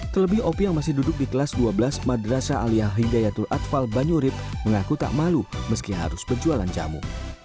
terlebih op yang masih duduk di kelas dua belas madrasa alia hindayatul atfal banyurib mengaku tak malu meski harus berjualan jamu